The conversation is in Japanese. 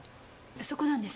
そこなんです！